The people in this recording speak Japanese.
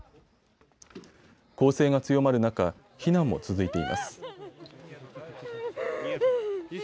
攻勢が強まる中、避難も続いています。